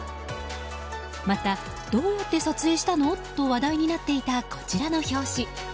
また、どうやって撮影したの？と話題になっていたこちらの表紙。